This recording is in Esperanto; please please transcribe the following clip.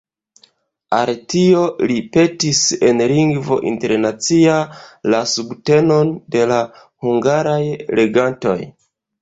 Al tio li petis en Lingvo Internacia la subtenon de la hungaraj legantoj.